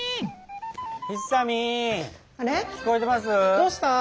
どうした？